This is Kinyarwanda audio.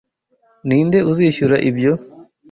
Ninde uzishyura ibyo?